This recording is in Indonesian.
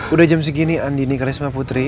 udah jam segini andini karisma putri